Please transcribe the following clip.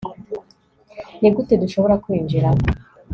Nigute dushobora kwinjira